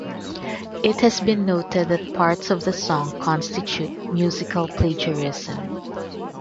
It has been noted that parts of the song constitute musical plagiarism.